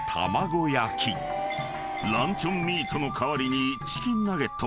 ［ランチョンミートの代わりにチキンナゲットを載せ